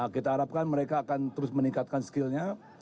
kita harapkan mereka akan terus meningkatkan skill nya